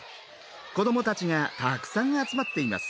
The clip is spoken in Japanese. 子どもたちがたくさん集まっています。